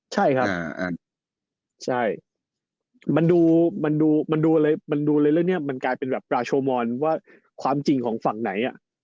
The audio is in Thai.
ใช่ครับมันดูอะไรแล้วมันกลายเป็นแบบปราชมอนว่าความจริงของฝั่งไหน